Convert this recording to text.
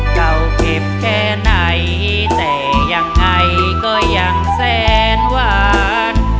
เก่าเก็บแค่ไหนแต่ยังไงก็ยังแสนหวาน